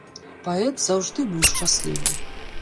Паэт заўжды быў шчаслівы.